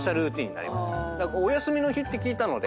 お休みの日って聞いたので。